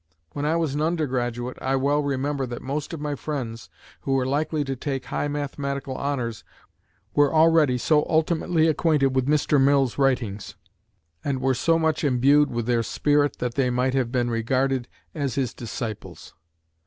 When I was an undergraduate, I well remember that most of my friends who were likely to take high mathematical honors were already so ultimately acquainted with Mr. Mill's writings, and were so much imbued with their spirit, that they might have been regarded as his disciples.